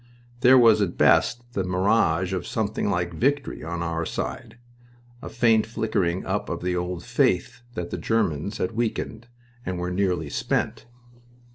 There was at best the mirage of something like victory on our side, a faint flickering up of the old faith that the Germans had weakened and were nearly spent.